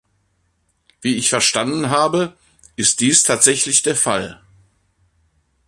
Wie ich verstanden habe, ist dies tatsächlich der Fall.